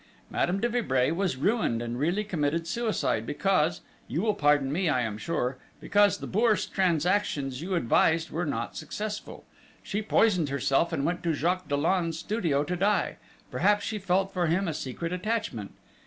Madame de Vibray was ruined, and really committed suicide because you will pardon me, I am sure because the Bourse transactions you advised were not successful.... She poisoned herself, and went to Jacques Dollon's studio to die: perhaps she felt for him a secret attachment!